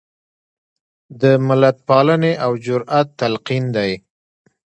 د ملتپالنې او جرات تلقین دی.